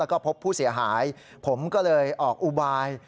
แล้วก็พบผู้เสียหายผมก็เลยออกอุบาย